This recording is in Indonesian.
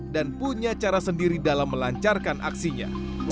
dan punya cara sendiri dalam melancarkan aksinya